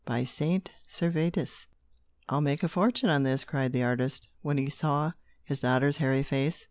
"By Saint Servatus! I'll make a fortune on this," cried the artist, when he saw his daughter's hairy face.